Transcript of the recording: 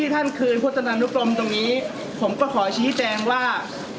ท่านคืนพุตนานุกรมตรงนี้ผมก็ขอชี้แจงว่า